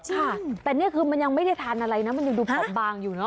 ค่ะแต่นี่คือมันยังไม่ได้ทานอะไรนะมันยังดูผอมบางอยู่เนอ